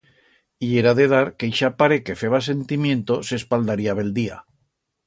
Yera de dar que ixa paret que feba sentimiento s'espaldaría bel día.